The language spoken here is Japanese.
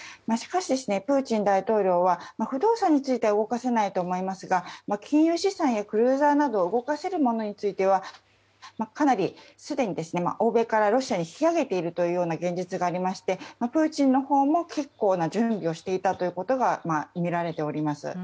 しかし、プーチン大統領は不動産については動かせないと思いますが金融資産やクルーザーなど動かせるものについてはかなりすでに欧米からロシアに引き上げているという現実がありましてプーチンのほうも結構な準備をしていたことが分かっています。